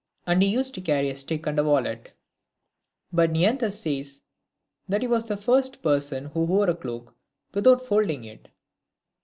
And he used to carry a stick and a wallet ; but Neanthes says that he was the first person who wore a cloak without folding it.